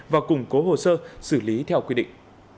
và củng cố hồ sơ xử lý theo quy định